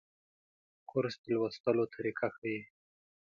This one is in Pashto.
کورس د لوستلو طریقه ښيي.